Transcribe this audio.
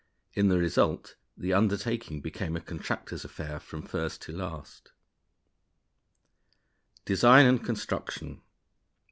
In the result, the undertaking became a contractors' affair from first to last. _Design and Construction.